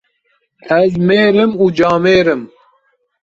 Ez mêr im û camêr im.